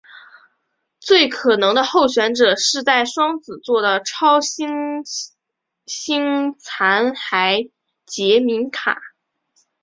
最可能的候选者是在双子座的超新星残骸杰敏卡。